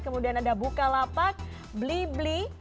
kemudian ada bukalapak blibli